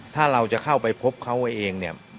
ถ้าเราจะเข้าไปพบเขาเองเนี่ย